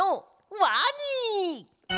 ワニ！